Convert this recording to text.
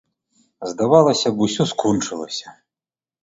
Здавалася б, усё скончылася.